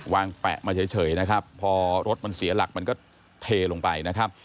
แปะมาเฉยนะครับพอรถมันเสียหลักมันก็เทลงไปนะครับ